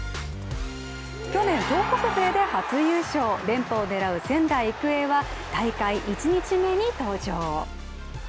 去年、東北勢で初優勝連覇を狙う仙台育英は大会１日目に登場。